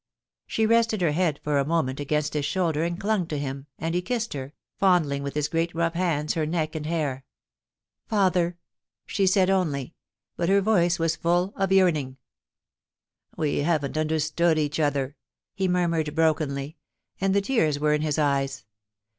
• She rested her head for a moment against his shoulder and clung to him, and he kissed her, fondling with his great rough hands her neck and hair. •Father!' she said only, but her voice was full of yearning. BEFORE THE OPENING OF PARLIAMENT. 385 *We haven't understood each other,' he murmured brokenly, and the tears were in his eyes.